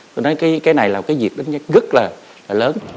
tôi nói cái này là cái việc rất là lớn